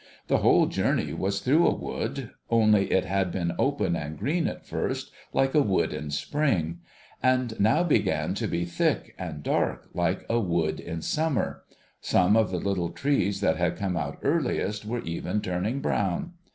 l"he whole journey was through a wood, only it had been open and green at first, like a wood in spring; and now began to be thick and dark, like a wood in summer ; some of the little trees that had come out earliest, were even turning brown.